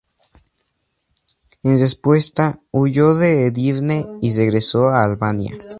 En respuesta, huyó de Edirne y regresó a Albania.